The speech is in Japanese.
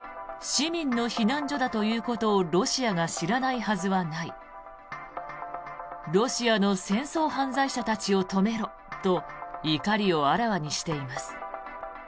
クレバ外相は劇場の写真とともにＳＮＳで市民の避難所だということをロシアが知らないはずはないロシアの戦争犯罪者たちを止めろと怒りをあらわにしています。